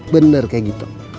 bener kayak gitu